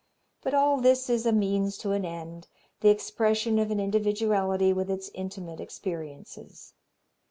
But all this is a means to an end, the expression of an individuality with its intimate experiences.